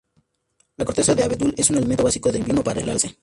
La corteza de abedul es un alimento básico de invierno para el alce.